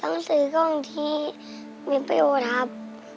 ต้องซื้อกล้องที่มีประโยชน์ครับ